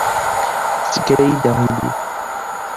Tessegra-yi-d aɣilif.